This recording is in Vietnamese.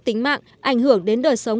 tính mạng ảnh hưởng đến đời sống